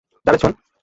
জাভেদ, শোন।